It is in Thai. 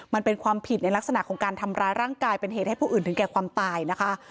มันเป็นความผิดในลักษณะของการทำร้ายร่างกายเป็นเหตุให้ผู้อื่นถึงแก่ความตายนะคะ